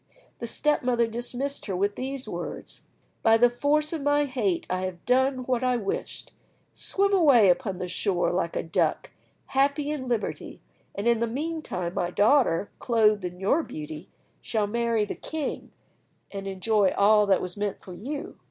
The step mother dismissed her with these words: "By the force of my hate, I have done what I wished! Swim away upon the shore like a duck, happy in liberty, and in the meantime my daughter, clothed in your beauty, shall marry the king, and enjoy all that was meant for you."